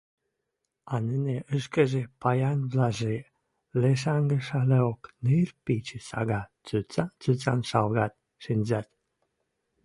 А нӹнӹ ӹшкежӹ, паянвлӓжӹ, лешӓнгӹшӹлӓок ныр пичӹ сага цуцан-цуцан шалгат, шӹнзӓт.